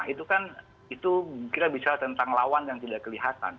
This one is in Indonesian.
itu kan itu kita bicara tentang lawan yang tidak kelihatan